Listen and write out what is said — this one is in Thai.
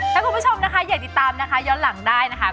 ถ้าคุณผู้ชมนะคะอยากติดตามนะคะย้อนหลังได้นะคะ